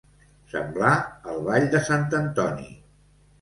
Semblar el ball de sant Antoni.